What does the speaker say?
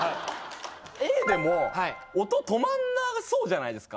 Ａでも音止まんなさそうじゃないですか。